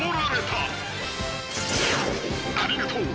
［ありがとう。